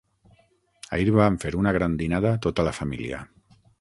Ahir vam fer una gran dinada tota la família.